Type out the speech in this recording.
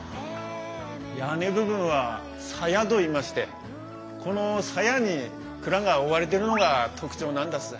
屋根部分は鞘といいましてこの鞘に蔵が覆われてるのが特徴なんだす。